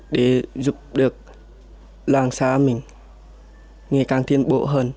để giúp được làng xá mình ngày càng tiến bộ hơn